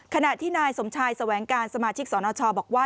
ขณะที่นายสมชายแสวงการสมาชิกสนชบอกว่า